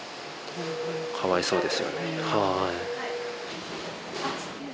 かわいそうですよね。